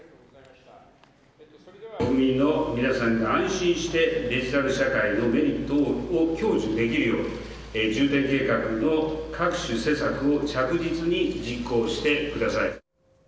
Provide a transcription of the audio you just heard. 国民の皆さんが安心して、デジタル社会のメリットを享受できるよう、重点計画の各種政策を着実に実行してください。